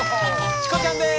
チコちゃんです！